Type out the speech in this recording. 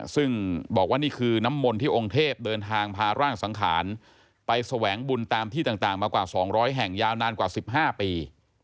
ซึ่งบอกว่านี่คือน้ำมนต์ที่องค์เทพเดินทางพาร่างสังขารไปแสวงบุญตามที่ต่างมากว่า๒๐๐แห่งยาวนานกว่า๑๕ปี